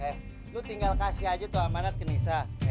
eh gue tinggal kasih aja tuh amanat ke nisa